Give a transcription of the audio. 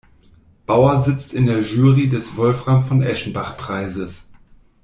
Bauer sitzt in der Jury des Wolfram-von-Eschenbach-Preises.